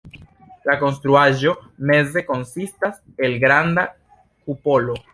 La konstruaĵo meze konsistas el granda kupolo.